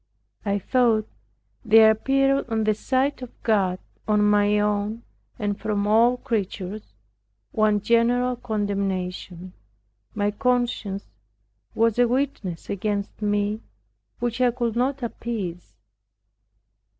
I thought there appeared on the side of God, on my own, and from all creatures, one general condemnation, my conscience was a witness against me, which I could not appease.